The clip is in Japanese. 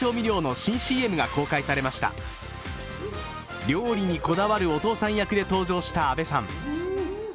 料理にこだわるお父さん役で登場した阿部さん。